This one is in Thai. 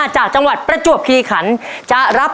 จากจังหวัดประจวบคีย์ขันท์